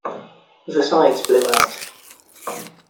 The sides blew out.